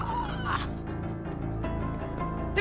tidur tidur tidur